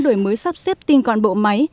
đổi mới sắp xếp tinh còn bộ máy